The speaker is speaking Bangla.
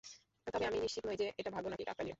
তবে আমি নিশ্চিত নই যে এটা ভাগ্য নাকি কাকতালীয়।